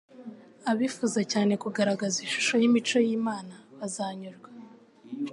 Abifuza cyane kugaragaza ishusho y'imico y'Imana, bazanyurwa.